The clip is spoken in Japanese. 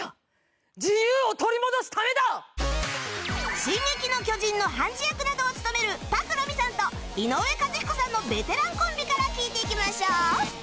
『進撃の巨人』のハンジ役などを務める朴美さんと井上和彦さんのベテランコンビから聞いていきましょう！